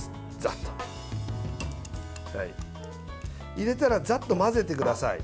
入れたらざっと混ぜてください。